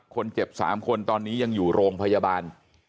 คนเจ็บ๓คนตอนนี้ยังอยู่โรงพยาบาล